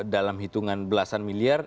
dalam hitungan belasan miliar